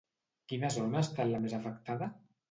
Quina zona ha estat la més afectada?